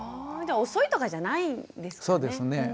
じゃ遅いとかじゃないんですかね？